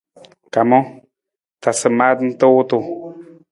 Kamang, tasa maata nta wutung.